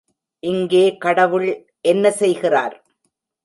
இங்கே கடவுள் என்ன செய்கிறார்?